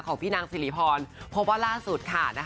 ของพี่นางสิริพรพบว่าล่าสุดค่ะ